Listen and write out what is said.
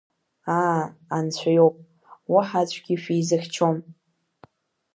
Аа, Анцәа иоуп, уаҳа аӡәгьы шәизыхьчом…